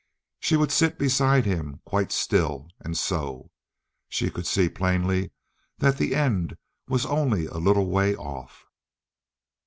She would sit beside him quite still and sew. She could see plainly that the end was only a little way off.